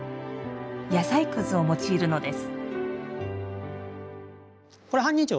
野菜くずを用いるのです。